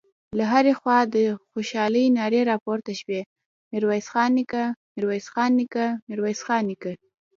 له هرې خوا د خوشالۍ نارې راپورته شوې: ميرويس نيکه، ميرويس نيکه، ميرويس نيکه….